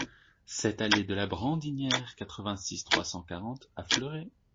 sept allée de la Brandinière, quatre-vingt-six, trois cent quarante à Fleuré